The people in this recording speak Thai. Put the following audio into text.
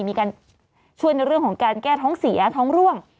มีการช่วยในเรื่องของการแก้ท้องเสียท้องร่วง